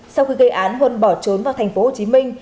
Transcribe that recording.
sau khi gây án huân bỏ trốn vào thành phố hồ chí minh